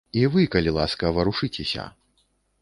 І вы, калі ласка, варушыцеся.